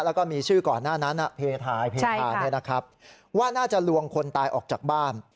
แล้วก็มีชื่อก่อนหน้านั้นเพทายเพธาว่าน่าจะลวงคนตายออกจากบ้าน